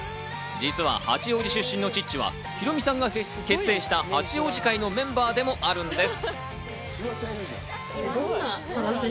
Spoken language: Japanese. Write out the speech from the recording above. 実は八王子出身のチッチはヒロミさんが結成した八王子会のメンバーでもあるんです。